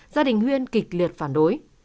gia đình huyền kịch liệt phản đối